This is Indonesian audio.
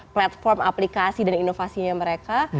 platform aplikasi dan inovasinya mereka